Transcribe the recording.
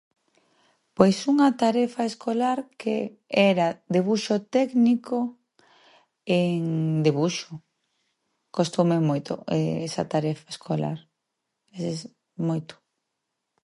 Pois unha tarefa escolar que era debuxo técnico en debuxo. Costoume moito esa tarefa escolar, moito.